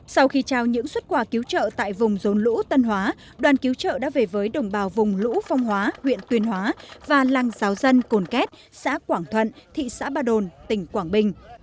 sau khi trao những xuất quà cứu trợ tại vùng rốn lũ tân hóa đoàn cứu trợ đã về với đồng bào vùng lũ phong hóa huyện tuyên hóa và làng giáo dân cồn két xã quảng thuận thị xã ba đồn tỉnh quảng bình